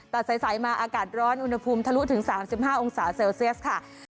แต่ใสมาอากาศร้อนอุณหภูมิทะลุถึง๓๕องศาเซลเซียสค่ะ